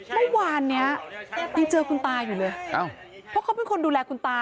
เมื่อวานเนี้ยยังเจอคุณตาอยู่เลยเพราะเขาเป็นคนดูแลคุณตา